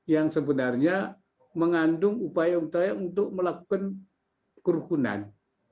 yang sebenarnya mengandung upaya upaya untuk melakukan kerukunan